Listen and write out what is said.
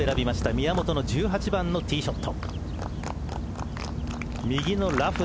宮本の１８番のティーショット。